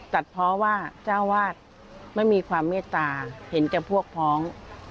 ตัดเพราะว่าเจ้าวาดไม่มีความเมตตาเห็นแต่พวกพ้อง